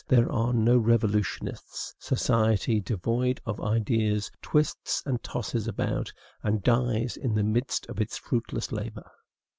There are no revolutionists. Society, devoid of ideas, twists and tosses about, and dies in the midst of its fruitless labor.